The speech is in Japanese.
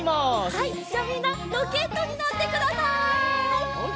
はいじゃあみんなロケットになってください。